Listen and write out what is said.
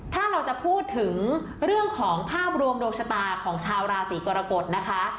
ถ้าเราจะพูดถึงเรื่องของภาพรวมดวงชะตาของชาวราศีกรกฎนะคะ